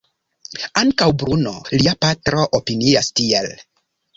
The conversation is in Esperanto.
Ankaŭ Bruno, lia patro, opinias tiel.